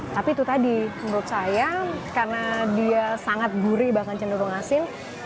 tapi itu tadi menurut saya karena dia sangat gurih bahkan cenderung asin